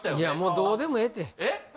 どうでもええ